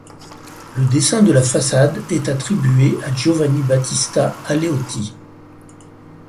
Le dessin de la façade est attribué à Giovanni Battista Aleotti.